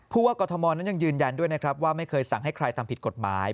ว่ากรทมนั้นยังยืนยันด้วยนะครับว่าไม่เคยสั่งให้ใครทำผิดกฎหมาย